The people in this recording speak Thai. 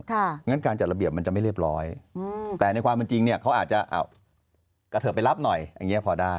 งั้นการจัดระเบียบมันจะไม่เรียบร้อยแต่ในความเป็นจริงเนี่ยเขาอาจจะกระเทิบไปรับหน่อยอย่างนี้พอได้